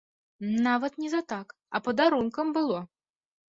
Нават не за так, а падарункам было.